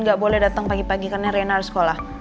nggak boleh datang pagi pagi karena rena harus sekolah